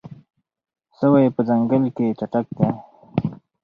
سوی په ځنګل کې چټک دی.